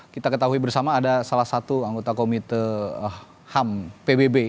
kita ketahui bersama ada salah satu anggota komite ham pbb